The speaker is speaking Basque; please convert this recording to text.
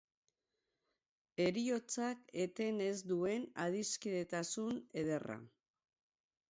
Heriotzak eten ez duen adiskidetasun ederra.